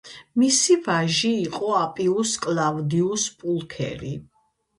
მისი ვაჟი იყო აპიუს კლავდიუს პულქერი.